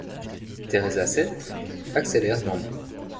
Theresa Senff accélère d'emblée.